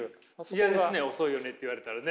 嫌ですね「遅いよね」って言われたらね。